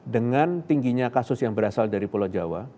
dengan tingginya kasus yang berasal dari pulau jawa